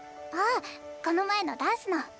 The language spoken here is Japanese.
ああこの前のダンスの。